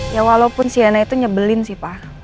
ya walaupun sienna itu nyebelin sih pak